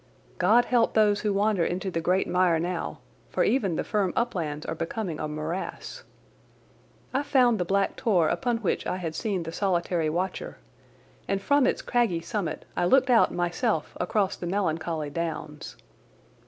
God help those who wander into the great mire now, for even the firm uplands are becoming a morass. I found the black tor upon which I had seen the solitary watcher, and from its craggy summit I looked out myself across the melancholy downs.